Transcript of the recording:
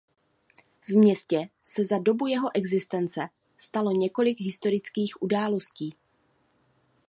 V městě se za dobu jeho existence stalo několik historických událostí.